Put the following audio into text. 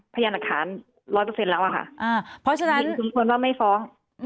พยานักฐาน๑๐๐แล้วค่ะเพราะฉะนั้นคุณควรว่าไม่ฟอร์ส